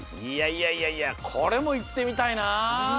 いやいやいやいやこれもいってみたいな。